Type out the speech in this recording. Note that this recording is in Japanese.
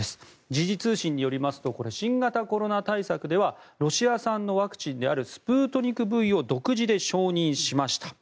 時事通信によりますと新型コロナ対策ではロシア産のワクチンであるスプートニクＶを独自で承認しました。